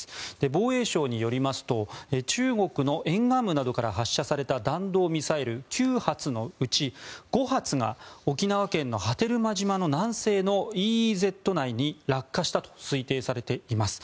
防衛省によりますと中国の沿岸部などから発射された弾道ミサイル９発のうち５発が沖縄県の波照間島の南西のＥＥＺ内に落下したと推定されています。